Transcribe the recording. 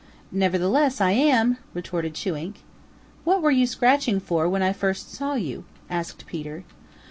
"Nevertheless I am," retorted Chewink. "What were you scratching for when I first saw you?" asked Peter.